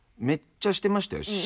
めっちゃしてましたよ。